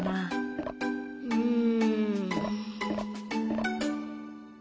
うん。